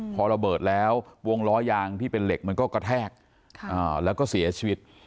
พอระเบิดแล้ววงล้อยางที่เป็นเหล็กมันก็กระแทกแล้วก็เสียชีวิต